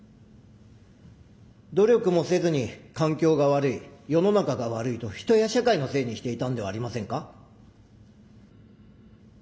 努力もせずに環境が悪い世の中が悪いと人や社会のせいにしていたんではありませんか？